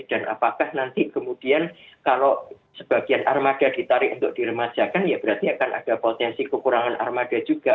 dan apakah nanti kemudian kalau sebagian armada ditarik untuk diremasakan ya berarti akan ada potensi kekurangan armada juga